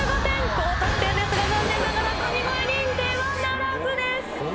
高得点ですが、残念ながら神声認定ならずです。